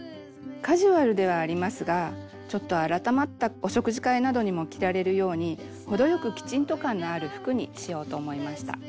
カジュアルではありますがちょっと改まったお食事会などにも着られるように程よくきちんと感のある服にしようと思いました。